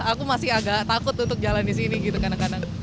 aku masih agak takut untuk jalan di sini gitu kadang kadang